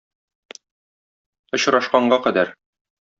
Очрашканга кадәр!